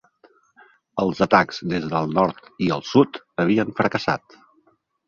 Els atacs des del nord i el sud havien fracassat.